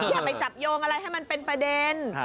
อย่าไปจับโยงอะไรให้มันเป็นประเด็น